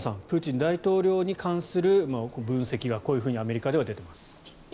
プーチン大統領に関する分析がこういうふうにアメリカでは出ています。